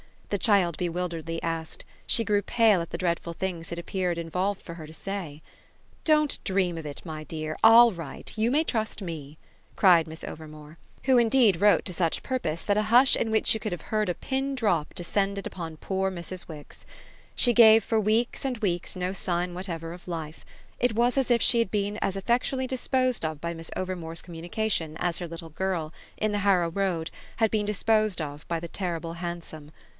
the child bewilderedly asked: she grew pale at the dreadful things it appeared involved for her to say. "Don't dream of it, my dear I'll write: you may trust me!" cried Miss Overmore; who indeed wrote to such purpose that a hush in which you could have heard a pin drop descended upon poor Mrs. Wix. She gave for weeks and weeks no sign whatever of life: it was as if she had been as effectually disposed of by Miss Overmore's communication as her little girl, in the Harrow Road, had been disposed of by the terrible hansom.